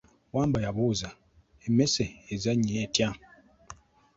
Wambwa yabuuza, emmese ezannya etya?